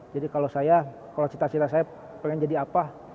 jadi kalau saya kalau cita cita saya pengen jadi apa